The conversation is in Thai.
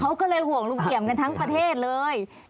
เขาก็เลยห่วงลุงเอี่ยมกันทั้งประเทศเลย